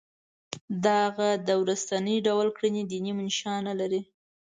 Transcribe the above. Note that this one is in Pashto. دغه د وروستي ډول کړنې دیني منشأ نه لري.